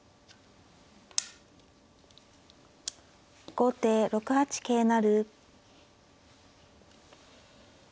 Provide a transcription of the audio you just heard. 後手６八桂成。